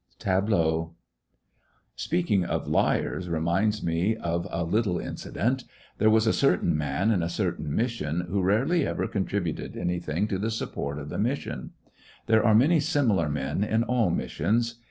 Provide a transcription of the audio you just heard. Tableau. Speaking of liars reminds me of a little in Ananias in a .,. rwrv. J. •• «j. • new version cident. There was a certain man m a certain mission who rarely ever contributed any thing to the support of the mission. There are many similar men in all missions.